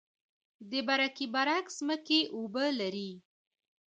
د برکي برک ځمکې اوبه لري